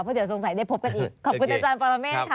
เพราะเดี๋ยวสงสัยได้พบกันอีกขอบคุณอาจารย์ปรเมฆค่ะ